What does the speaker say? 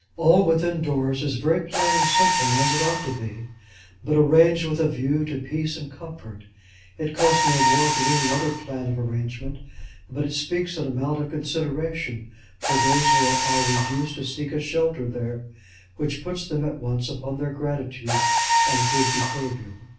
All within doors is very plain and simple, as it ought to be, but arranged with a view to peace and comfort. It costs no more than any other plan of arrangement, but it speaks an amount of consideration for those who are reduced to seek a shelter there, which puts them at once upon their gratitude and good behaviour.